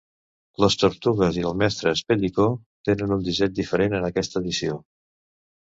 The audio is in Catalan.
Les Tortugues i el mestre Espellicó tenen un disseny diferent en aquesta edició.